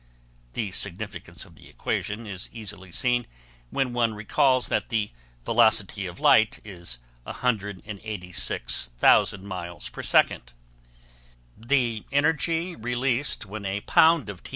The significance of the equation is easily seen when one recalls that the velocity of light is 186,000 miles per second. The energy released when a pound of T.N.